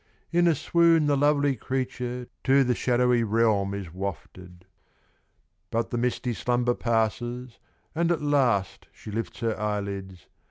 In a swoon the lovely creature To the shadowy realm is wafted. But the misty slumber passes, And at last she lifts her eyelids.